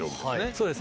そうです。